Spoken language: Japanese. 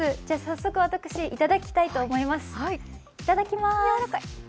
じゃあ、早速、私、いただきたいと思います。